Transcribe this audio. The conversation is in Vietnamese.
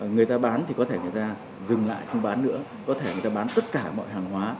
người ta bán thì có thể người ta dừng lại không bán nữa có thể người ta bán tất cả mọi hàng hóa